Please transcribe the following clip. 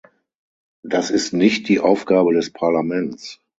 Das ist nicht die Aufgabe des Parlaments.